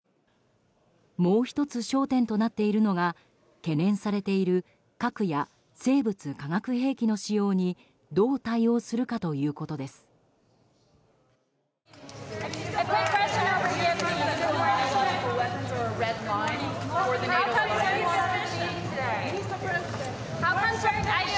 もう１つ焦点となっているのが懸念されている核や生物・化学兵器の使用にどう対応するかということです。